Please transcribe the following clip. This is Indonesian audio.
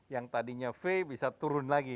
yang tadinya v bisa turun lagi